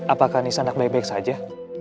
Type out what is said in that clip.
apakah nisanak baik baik saja